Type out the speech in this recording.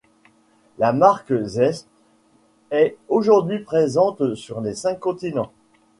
La marque Zeiss est aujourd'hui présente sur les cinq continents.